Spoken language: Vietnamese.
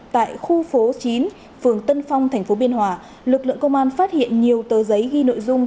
tại khu phố chín phường tân phong tp biên hòa lực lượng công an phát hiện nhiều tờ giấy ghi nội dung